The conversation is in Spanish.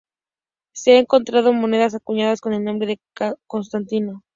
Se han encontrado monedas acuñadas con el nombre de Constantino.